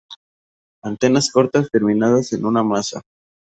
Antenas cortas terminadas en una maza.